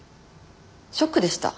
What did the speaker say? ショックでした。